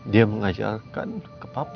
dia mengajarkan ke papa